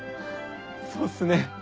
そうっすね。